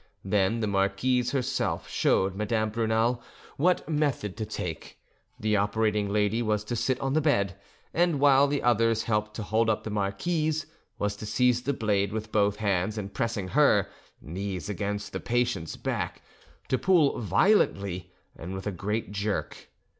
Then the marquise herself showed Madame Brunei what method to take: the operating lady was to sit on the bed, and while the others helped to hold up the marquise, was to seize the blade with both hands, and pressing her—knees against the patient's back, to pull violently and with a great jerk.